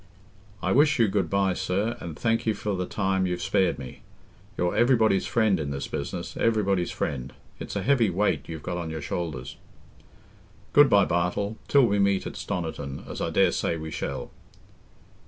I wish you good bye, sir, and thank you for the time you've spared me. You're everybody's friend in this business—everybody's friend. It's a heavy weight you've got on your shoulders." "Good bye, Bartle, till we meet at Stoniton, as I daresay we shall."